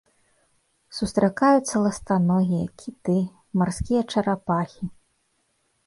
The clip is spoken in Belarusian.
Сустракаюцца ластаногія, кіты, марскія чарапахі.